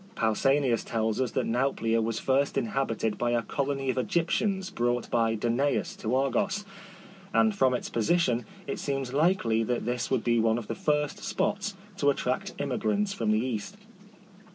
Pausanias tells us that Nauplia was first inhabited by a colony of Egyptians brought by Danaus to Argos ; and from its position it seems likely that this would be one of the first spots to attract immi grants from the east.